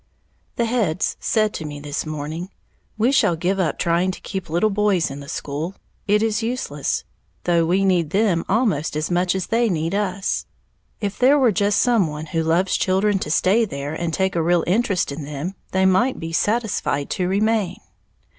_ The heads said to me this morning, "We shall give up trying to keep little boys in the school, it is useless, though we need them almost as much as they need us. If there were just some one who loves children to stay there and take a real interest in them, they might be satisfied to remain."